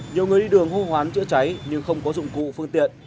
nhiều người đi đường hô hoán chữa cháy nhưng không có dụng cụ phương tiện